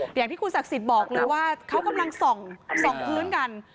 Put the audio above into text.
อย่างที่คุณศักดิ์สิทธิ์บอกเลยว่าเขากำลังส่องพื้นกัน